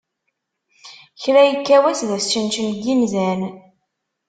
Kra yekka wass d asčenčen, n yinzan.